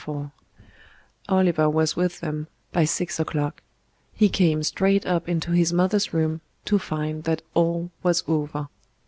IV Oliver was with them by six o'clock; he came straight up into his mother's room to find that all was over.